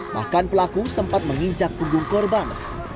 bahkan pelaku sempat menginjak punggung korban